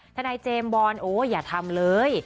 ทนายเจมส์บอลโอ้อย่าทำเลย